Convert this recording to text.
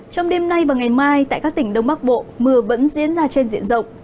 trong đêm nay và ngày mai tại các tỉnh đông bắc bộ mưa vẫn diễn ra trên diện rộng